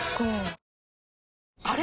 あれ？